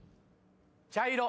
茶色。